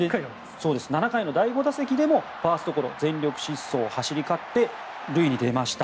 ７回の第５打席でもファーストゴロ全力疾走で走り勝って塁に出ました。